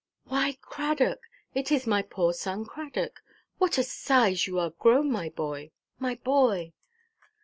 "Why, Cradock! It is my poor son Cradock! What a size you are grown, my boy, my boy!"